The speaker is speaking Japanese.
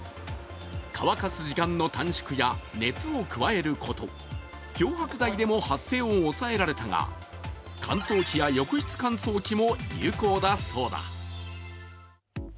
乾かす時間の短縮や熱を加えること、漂白剤でも発生を抑えられたが、乾燥機や浴室乾燥機も有効だそうだ。